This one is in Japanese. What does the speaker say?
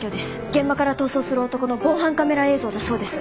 現場から逃走する男の防犯カメラ映像だそうです。